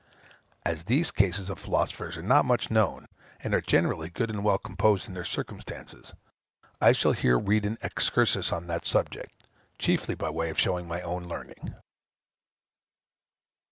As these cases of philosophers are not much known, and are generally good and well composed in their circumstances, I shall here read an excursus on that subject, chiefly by way of showing my own learning.